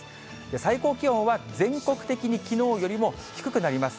最高気温は全国的にきのうよりも低くなります。